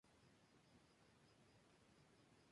Las larvas se alimentan de pulgones y de insectos escamas.